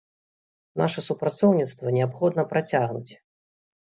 Наша супрацоўніцтва неабходна працягнуць.